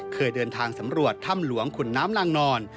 เคยเดินทางสำรวจถ้ำหลวงขุนน้ำลางนอน